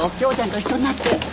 匡ちゃんと一緒になって。